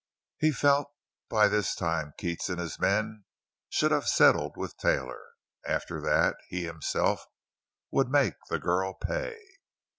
He felt that by this time Keats and his men should have settled with Taylor. After that, he, himself, would make the girl pay.